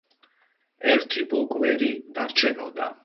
ერთი ბოკვერი დარჩენოდა